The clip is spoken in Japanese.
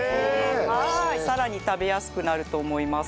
さらに食べやすくなると思います。